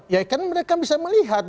ya karena mereka bisa melihat